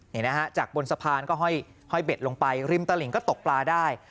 นี่นะฮะจากบนสะพานก็ห้อยเบ็ดลงไปริมตลิงก็ตกปลาได้